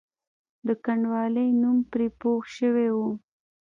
د کنډوالې نوم پرې پوخ شوی وو.